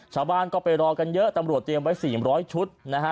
ชาวบ้านก็ไปรอกันเยอะตำรวจเตรียมไว้๔๐๐ชุดนะฮะ